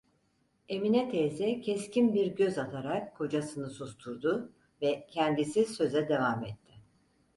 Emine teyze keskin bir göz atarak kocasını susturdu ve kendisi söze devam etti: